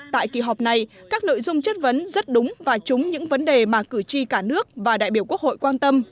tại kỳ họp này các nội dung chất vấn rất đúng và trúng những vấn đề mà cử tri cả nước và đại biểu quốc hội quan tâm